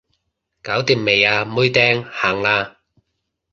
搞掂未啊妹釘，行啦